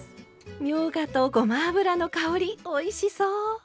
みょうがとごま油の香りおいしそう！